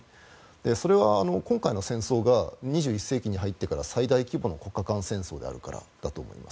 それは今回の戦争が２１世紀に入ってから最大規模の国家間戦争だからだと思います。